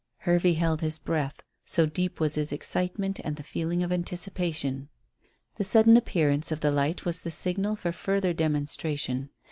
Hervey held his breath, so deep was his excitement and the feeling of anticipation. The sudden appearance of the light was the signal for further demonstration.